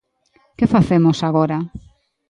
¿Que facemos agora?